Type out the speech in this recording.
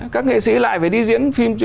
các nghệ sĩ lại phải đi diễn phim